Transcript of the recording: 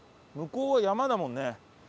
向こうは山だもんね。